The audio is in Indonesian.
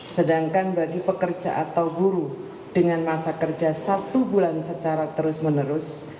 sedangkan bagi pekerja atau buru dengan masa kerja satu bulan secara terus menerus